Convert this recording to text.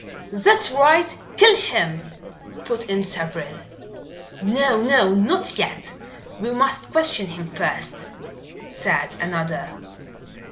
"That's right, kill him!" put in several. "No! no! not yet. We must question him first," said another.